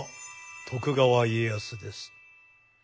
徳川家康です。